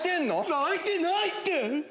泣いてないって！